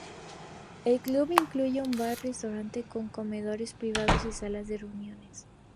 El club incluye un bar, restaurante con comedores privados y salas de reuniones.